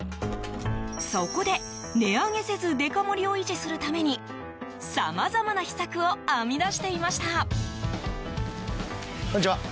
そこで、値上げせずデカ盛りを維持するためにさまざまな秘策を編み出していました。